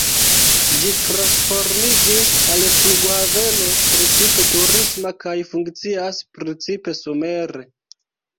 Ĝi transformiĝis al flughaveno precipe turisma kaj funkcias precipe somere.